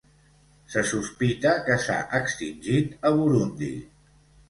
Se sospita que s'ha extingit a Burundi.